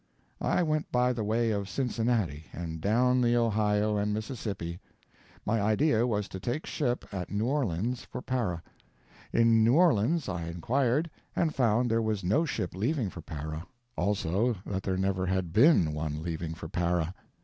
I went by the way of Cincinnati, and down the Ohio and Mississippi. My idea was to take ship, at New Orleans, for Para. In New Orleans I inquired, and found there was no ship leaving for Para. Also, that there never had BEEN one leaving for Para.